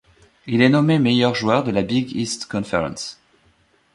Il est nommé meilleur joueur de la Big East Conference.